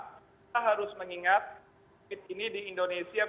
kita harus mengingat covid sembilan belas ini di indonesia